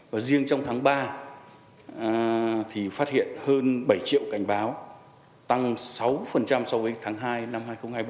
và riêng trong tháng ba thì phát hiện hơn bảy triệu cảnh báo tăng sáu so với tháng hai năm hai nghìn hai mươi bốn